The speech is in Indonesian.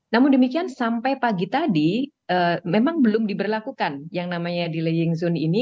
namun demikian sampai pagi tadi memang belum diberlakukan yang namanya delaying zone ini